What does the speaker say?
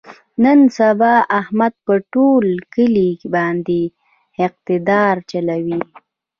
نن سبا احمد په ټول کلي باندې اقتدار چلوي.